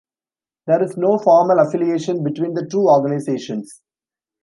There is no formal affiliation between the two organizations.